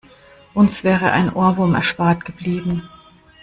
Uns wäre ein Ohrwurm erspart geblieben.